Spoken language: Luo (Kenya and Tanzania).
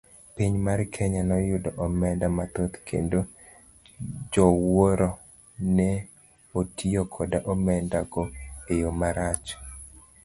Piny mar Kenya noyudo omenda mathoth kendo jowuoro neotiyo koda omenda go eyo marach.